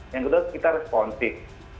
yang kedua kita responsif